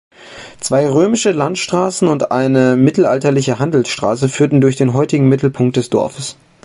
Zwei römische Landstraßen und eine mittelalterliche Handelsstraße führten durch den heutigen Mittelpunkt des Dorfes.